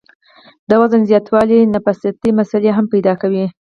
د وزن زياتوالے نفسياتي مسئلې هم پېدا کوي